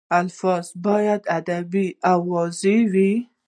الفاظ باید ادبي او واضح وي.